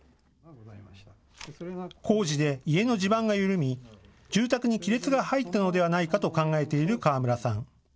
工事で家の地盤が緩み、住宅に亀裂が入ったのではないかと考えている河村さん。